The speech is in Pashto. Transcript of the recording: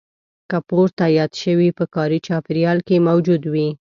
که پورته یاد شوي په کاري چاپېریال کې موجود وي.